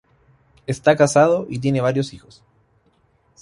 Está casado y tiene varios hijos.